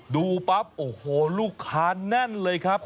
ดูปั๊บโอ้โหลูกค้าแน่นเลยครับ